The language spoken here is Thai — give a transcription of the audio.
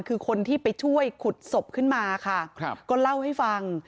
คือคนที่ไปช่วยขุดศพขึ้นมาค่ะครับก็เล่าให้ฟัง